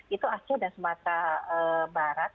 itu aceh dan sumatera barat